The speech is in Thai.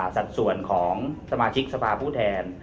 สัดส่วนของสมาชิกสภาพผู้แทน